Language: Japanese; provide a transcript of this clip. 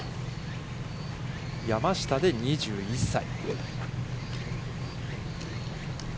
山下で２１歳。